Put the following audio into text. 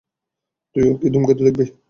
তুইও কি ধুমকেতু দেখবি?